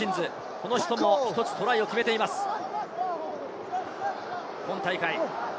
この人も１つトライを決めています、今大会。